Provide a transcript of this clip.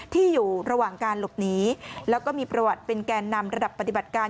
ที่อยู่ระหว่างการหลบหนีแล้วก็มีประวัติเป็นแกนนำระดับปฏิบัติการ